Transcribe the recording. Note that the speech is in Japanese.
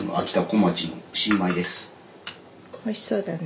おいしそうだね。